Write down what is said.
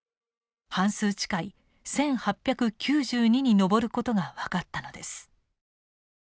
半数近い１，８９２に上ることが分かったのです。